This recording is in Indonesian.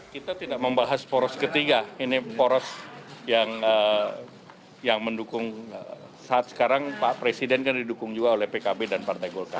kita tidak membahas poros ketiga ini poros yang mendukung saat sekarang pak presiden kan didukung juga oleh pkb dan partai golkar